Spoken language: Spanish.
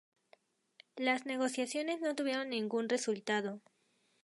Las negociaciones no tuvieron ningún resultado.